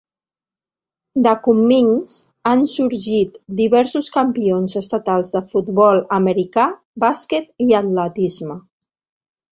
De Cummings han sorgit diversos campions estatals de futbol americà, bàsquet i atletisme.